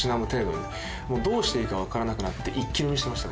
でもどうしていいかわからなくなって一気飲みしてました